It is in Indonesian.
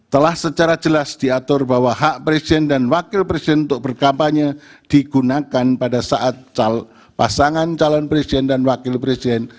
telah secara jelas diatur bahwa hak presiden dan wakil presiden untuk berkampanye digunakan pada saat pasangan calon presiden dan wakil presiden